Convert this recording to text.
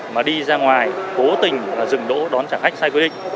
mà đi ra ngoài cố tình dừng đỗ đón trả khách sai quy định